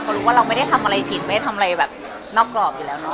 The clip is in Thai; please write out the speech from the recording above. เพราะรู้ว่าเราไม่ได้ทำอะไรผิดไม่ได้ทำอะไรแบบนอกกรอบอยู่แล้วเนอ